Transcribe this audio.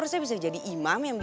oke tinggal save